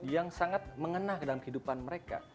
yang sangat mengena dalam kehidupan mereka